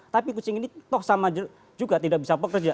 tapi kucing ini toh sama juga tidak bisa bekerja